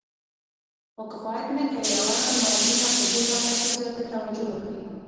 خو کفایت نه کوي او اړوند واحدونه پدې برخه کې زیاته توجه وکړي.